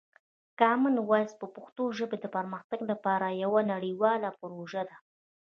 کامن وایس د پښتو ژبې د پرمختګ لپاره یوه نړیواله پروژه ده.